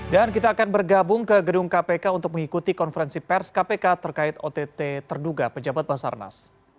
dan kita akan bergabung ke gedung kpk untuk mengikuti konferensi pers kpk terkait ott terduga pejabat basarnas